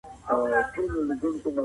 د ټاکنو خپلواک کمیسیون څه دنده لري؟